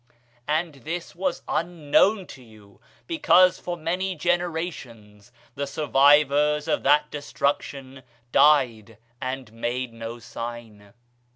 And this was unknown to you, because for many generations the survivors of that destruction died and made no sign.